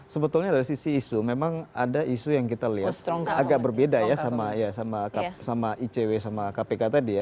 sebetulnya dari sisi isu memang ada isu yang kita lihat agak berbeda ya sama icw sama kpk tadi ya